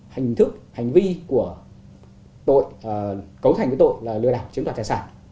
hành vi của tội cấu thành của tội là lừa đảo chứng đoạt tài sản